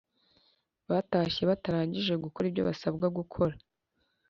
Batashye batarangije gukora ibyo basabwa gukora